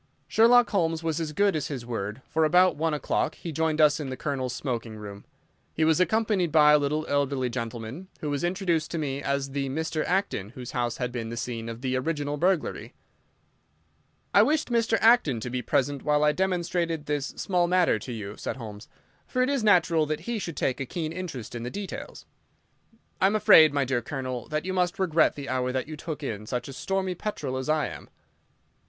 Sherlock Holmes was as good as his word, for about one o'clock he rejoined us in the Colonel's smoking room. He was accompanied by a little elderly gentleman, who was introduced to me as the Mr. Acton whose house had been the scene of the original burglary. "I wished Mr. Acton to be present while I demonstrated this small matter to you," said Holmes, "for it is natural that he should take a keen interest in the details. I am afraid, my dear Colonel, that you must regret the hour that you took in such a stormy petrel as I am."